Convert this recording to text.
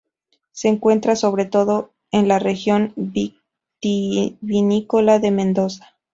Se encuentra sobre todo en la región vitivinícola de Mendoza.